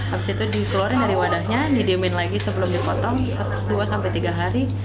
habis itu dikeluarin dari wadahnya didiemin lagi sebelum dipotong dua sampai tiga hari